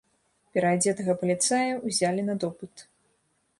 Пераадзетага паліцая ўзялі на допыт.